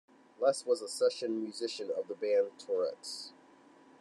Les was a session musician of the band "Tourettes".